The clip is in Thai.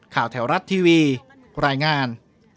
แถวรัฐทีวีรายงาน